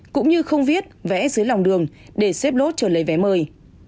cũng như không viết vẽ dưới lòng đường để xếp lốt cho lấy vé mời